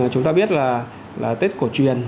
chúng ta biết là tết cổ truyền